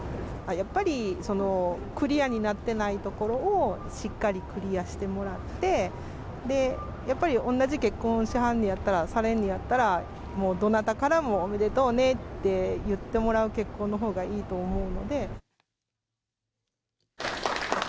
やっぱりクリアになってないところをしっかりクリアしてもらって、やっぱり同じ結婚しはんねやったら、されんのやったら、もうどなたからも、おめでとうねって言ってもらう結婚のほうがいいと思うので。